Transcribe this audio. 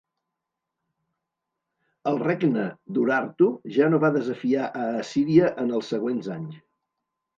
El regne d'Urartu ja no va desafiar a Assíria en els següents anys.